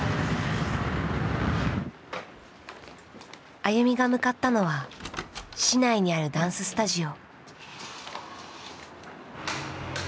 ＡＹＵＭＩが向かったのは市内にあるダンススタジオ。